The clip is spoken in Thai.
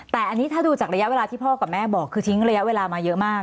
แต่อันนี้ถ้าดูจากระยะเวลาที่พ่อกับแม่บอกคือทิ้งระยะเวลามาเยอะมาก